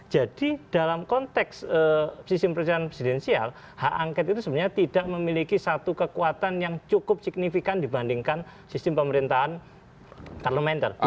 jadi dalam konteks sistem presidensial hak angket itu sebenarnya tidak memiliki satu kekuatan yang cukup signifikan dibandingkan sistem pemerintahan karlemen